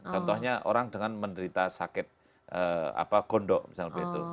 contohnya orang dengan menderita sakit gondok misalnya begitu